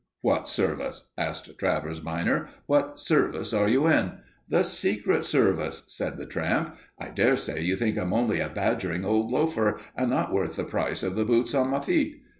"What Service?" asked Travers minor. "What Service are you in?" "The Secret Service," said the tramp. "I dare say you think I'm only a badgering old loafer, and not worth the price of the boots on my feet.